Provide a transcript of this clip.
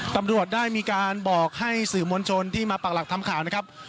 ตำรวจได้มีการบอกให้สื่อมวลชนที่มาปากหลักทำข่าวนะครับ